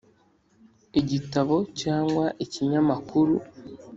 igitabo cyangwa ikinyamakuru.